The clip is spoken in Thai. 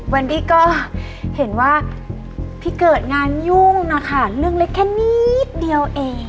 วันนี้ก็เห็นว่าพี่เกิดงานยุ่งนะคะเรื่องเล็กแค่นิดเดียวเอง